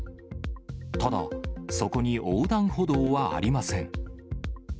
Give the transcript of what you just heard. ただ、そこに横断歩道はありません。